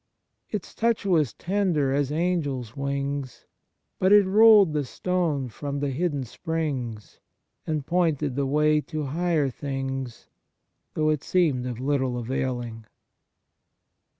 Its touch was tender as angels' wings. But it rolled the stone from the hidden springs. And pointed the way to higher things. Though it seemed of little availing.'